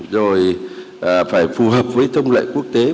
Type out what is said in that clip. rồi phải phù hợp với thông lệ quốc tế